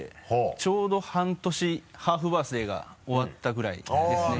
ちょうど半年ハーフバースデーが終わったぐらいですね